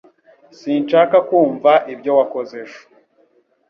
Sinshaka kumva ibyo wakoze ejo